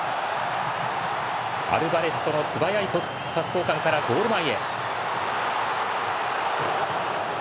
アルバレスとの素早いパス交換からゴール前へ。